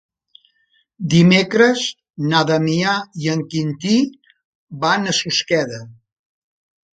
Dimecres na Damià i en Quintí van a Susqueda.